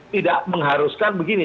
tidak mengharuskan begini